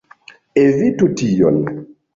Evitu tion!